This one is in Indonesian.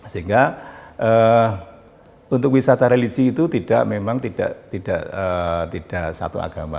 sehingga untuk wisata religi itu memang tidak satu agama